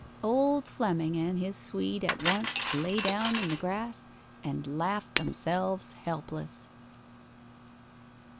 Old Fleming and his Swede at once lay down in the grass and laughed themselves helpless.